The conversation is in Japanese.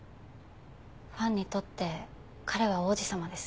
ファンにとって彼は王子様です。